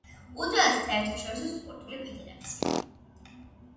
უძველესი საერთაშორისო სპორტული ფედერაცია.